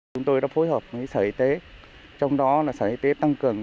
chúng tôi đã phối hợp với sở y tế trong đó là sở y tế tăng cường